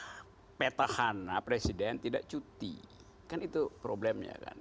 karena peta hana presiden tidak cuti kan itu problemnya kan